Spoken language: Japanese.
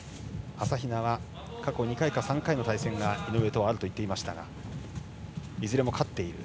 朝比奈は過去２回か３回の対戦が井上とはあると言っていましたがいずれも勝っている。